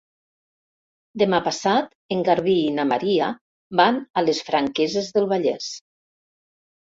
Demà passat en Garbí i na Maria van a les Franqueses del Vallès.